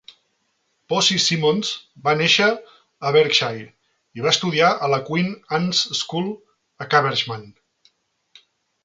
Posy Simmonds va néixer a Berkshire i va estudiar a la Queen Anne's School, a Caversham.